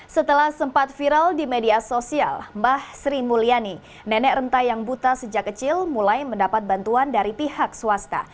setelah sempat viral di media sosial mbah sri mulyani nenek rentai yang buta sejak kecil mulai mendapat bantuan dari pihak swasta